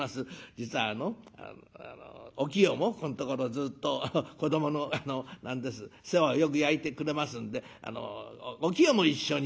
実はあのお清もここんところずっと子どもの何です世話をよく焼いてくれますんであのお清も一緒に」。